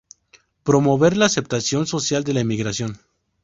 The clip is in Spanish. Promover la aceptación social de la emigración.